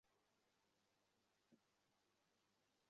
অসম্ভব রকমের ভালোবাসি!